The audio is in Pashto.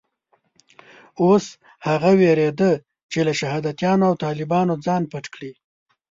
اوس هغه وېرېده چې له شهادیانو او طالبانو ځان پټ کړي.